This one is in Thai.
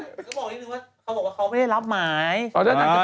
ก็บอกนิดนึงว่าเค้าบอกว่าเค้าไม่ได้รับหมาย